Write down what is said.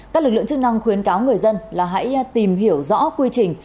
các lực lượng chức năng khuyến cáo người dân là hãy tìm hiểu rõ quy trình